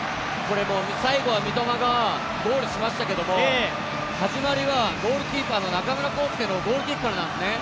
最後は三笘がゴールしましたけど、始まりはゴールキーパーの中村航輔のゴールキックなんですね